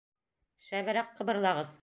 Шәберәк ҡыбырлағыҙ!